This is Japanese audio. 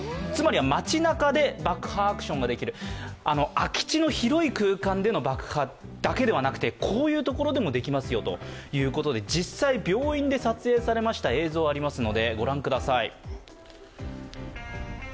空き地の広い空間での爆破だけではなくてこういうところでもできますよということで、実際、病院で撮影されました映像がありますので、ご覧ください。